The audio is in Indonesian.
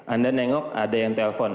anda nengok ada yang telpon